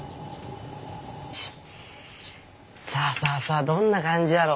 よしっさあさあさあどんな感じだろう。